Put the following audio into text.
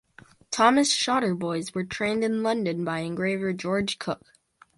Thomas Shotter Boys were trained in London by engraver George Cooke.